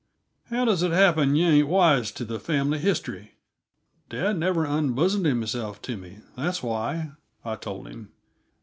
How does it happen yuh aren't wise to the family history?" "Dad never unbosomed himself to me, that's why," I told him.